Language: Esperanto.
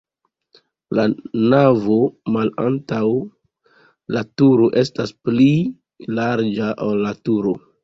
La navo malantaŭ la turo estas pli larĝa, ol la turo.